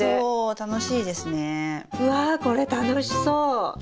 うわこれ楽しそう！